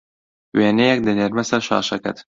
وێنەیەک دەنێرمه سەر شاشەکەت